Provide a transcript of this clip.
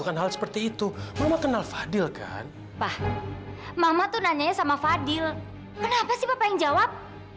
apa sih papa yang jawab